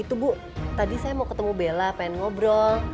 itu bu tadi saya mau ketemu bella pengen ngobrol